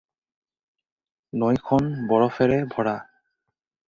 নৈখন বৰফেৰে ভৰা